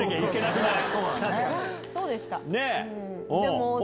そうでした。